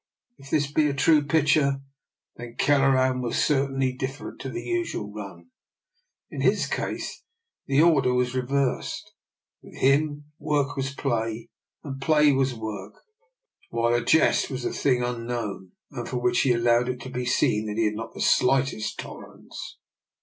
If this be a true picture, then Kelleran was certainly dif ferent to the usual run. In his case the order 4 DR. NIKOLA'S EXPERIMENT. was reversed: with him, work was play, and play was work; while a jest was a thing un known, and for which he allowed it to be seen that he had not the slightest tolerance.